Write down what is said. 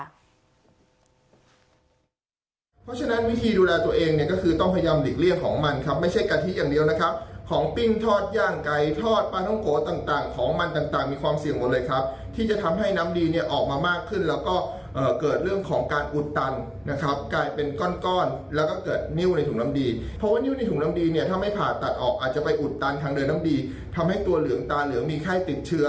เพราะฉะนั้นวิธีดูแลตัวเองเนี่ยก็คือต้องพยายามหลีกเลี่ยงของมันครับไม่ใช่กะทิอย่างเดียวนะครับของปิ้งทอดย่างไกรทอดปลาท้องโกะต่างของมันต่างมีความเสี่ยงหมดเลยครับที่จะทำให้น้ำดีเนี่ยออกมามากขึ้นแล้วก็เกิดเรื่องของการอุดตันนะครับกลายเป็นก้อนแล้วก็เกิดนิ้วในถุงน้ำดีเพราะว่านิ้วในถุ